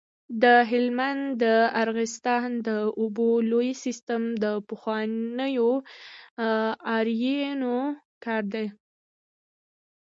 د هلمند د ارغستان د اوبو لوی سیستم د پخوانیو آرینو کار دی